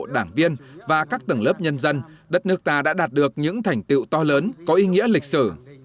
đảng viên và các tầng lớp nhân dân đất nước ta đã đạt được những thành tiệu to lớn có ý nghĩa lịch sử